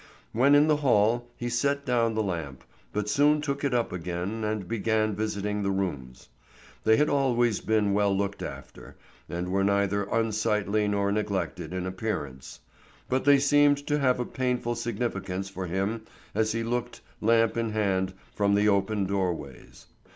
When in the hall he set down the lamp, but soon took it up again and began visiting the rooms. They had always been well looked after, and were neither unsightly nor neglected in appearance, but they seemed to have a painful significance for him as he looked, lamp in hand, from the open doorways.